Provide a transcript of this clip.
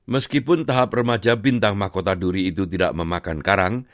meskipun tahap remaja bintang makota duri itu tidak memakan karang